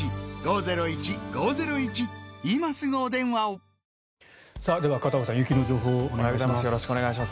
現在片岡さん雪の情報をお願いします。